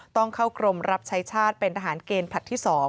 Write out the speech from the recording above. ต้องเข้ากรมรับใช้ชาติเป็นทหารเกณฑ์ผลัดที่๒